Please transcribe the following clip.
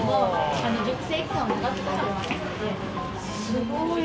すごい。